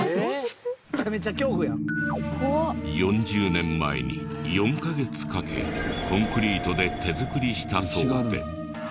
４０年前に４カ月かけコンクリートで手作りしたそうで。